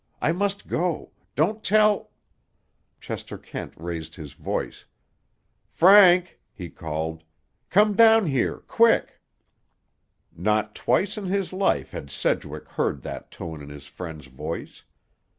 I must go! Don't tell—" Chester Kent raised his voice. "Frank!" he called. "Come down here! Quick!" Not twice in his life had Sedgwick heard that tone in his friend's voice.